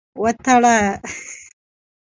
وتړه.